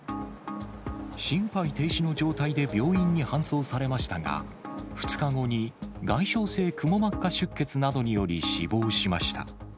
心肺停止の状態で病院に搬送されましたが、２日後に外傷性くも膜下出血などにより死亡しました。